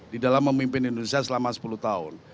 di dalam memimpin indonesia selama sepuluh tahun